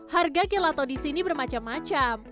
harga gelato disini bermacam macam